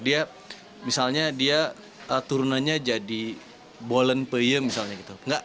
dia misalnya dia turunannya jadi bolen peyem misalnya gitu